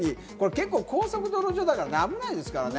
結構、高速道路上だから、危ないですからね。